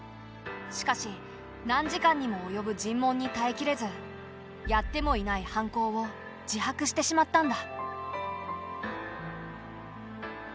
しかし何時間にもおよぶ尋問に耐えきれずやってもいない犯行を自白してしまったんだ。